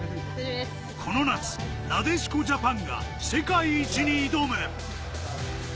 この夏、なでしこジャパンが世界一に挑む。